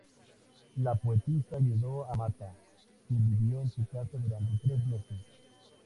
La poetisa ayudó a Matta, quien vivió en su casa durante tres meses.